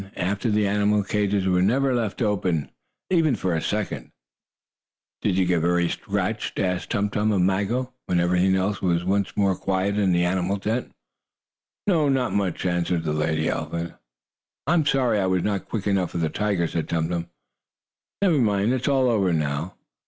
After that the animals' cages were never left open, even for a second. "Did you get very scratched?" asked Tum Tum of Maggo, when everything was once more quiet in the animal tent. "No, not much," answered the lady elephant. "I'm sorry I was not quick enough for the tiger," said Tum Tum. "Never mind, it is all over now."